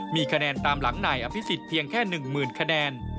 มีคะแนนตามหลังนายอภิษฎิ์เพียงแค่หนึ่งหมื่นคะแนน